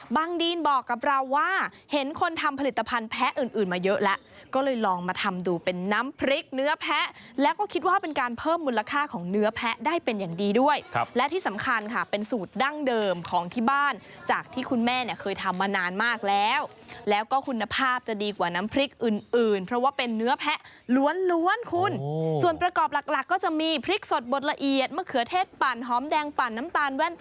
บังดีนบอกกับเราว่าเห็นคนทำผลิตภัณฑ์แพะอื่นมาเยอะแล้วก็เลยลองมาทำดูเป็นน้ำพริกเนื้อแพะแล้วก็คิดว่าเป็นการเพิ่มมูลค่าของเนื้อแพะได้เป็นอย่างดีด้วยและที่สำคัญค่ะเป็นสูตรดั้งเดิมของที่บ้านจากที่คุณแม่เนี่ยเคยทำมานานมากแล้วแล้วก็คุณภาพจะดีกว่าน้ำพริกอื่นเพราะว่าเป็นเนื้อแพ